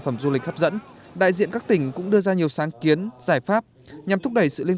phẩm du lịch hấp dẫn đại diện các tỉnh cũng đưa ra nhiều sáng kiến giải pháp nhằm thúc đẩy sự liên